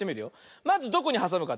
まずどこにはさむかってね